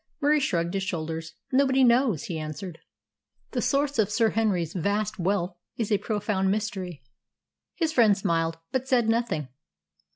Murie shrugged his shoulders. "Nobody knows," he answered. "The source of Sir Henry's vast wealth is a profound mystery." His friend smiled, but said nothing.